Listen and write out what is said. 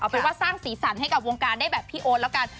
เป็นว่าสร้างสีสันให้กับวงการได้แบบพี่โอ๊ตแล้วกัน